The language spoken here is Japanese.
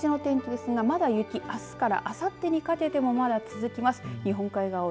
そしてこの土日の天気ですがまだ雪あすから、あさってにかけてもまだ続きます。